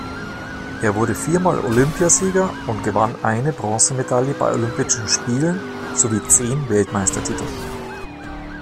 Er wurde viermal Olympiasieger und gewann eine Bronzemedaille bei Olympischen Spielen sowie zehn Weltmeistertitel.